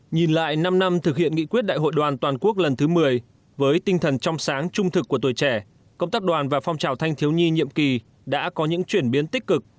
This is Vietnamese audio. nhìn lại năm năm thực hiện nghị quyết đại hội đoàn toàn quốc lần thứ một mươi với tinh thần trong sáng trung thực của tuổi trẻ công tác đoàn và phong trào thanh thiếu nhi nhiệm kỳ đã có những chuyển biến tích cực